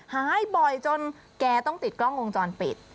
หายบ่อยจนแกต้องติดกล้องวงจรปิด